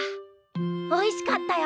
おいしかったよ。